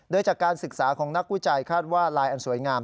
โดยจากการศึกษาของนักวิจัยคาดว่าลายอันสวยงาม